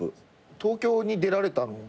東京に出られたのが？